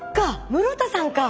室田さんか！